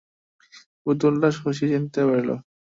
পুতুলটা শশী চিনিতে পারিল।